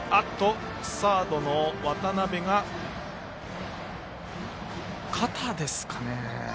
サードの渡邊が肩ですかね。